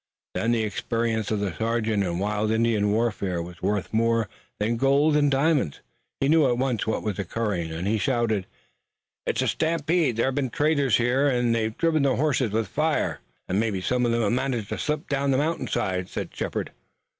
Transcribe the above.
Then the experience of the sergeant in wild Indian warfare was worth more than gold and diamonds. He knew at once what was occurring and he shouted: "It's a stampede! There have been traitors here, and they've driven the horses with fire!" "And maybe some of them have managed to slip down the mountain side!" said Shepard.